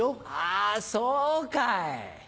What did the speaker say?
あそうかい。